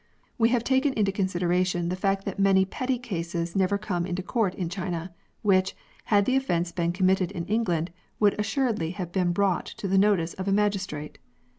We have taken into consideration the fact that many petty cases never come into court in China, which, had the oflfence been committed in England, would assuredly have been brought to the notice of a magistrate.